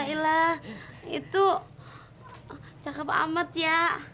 ilah itu cakep amat ya